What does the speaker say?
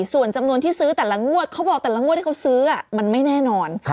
ส่วนจำนวนที่ซื้อแต่ละงวดเขาบอกแต่ละงวดที่เขาซื้อมันไม่แน่นอน